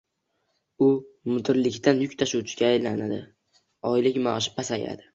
u mudirlikdan yuk tashuvchiga aylanadi, oylik maoshi pasayadi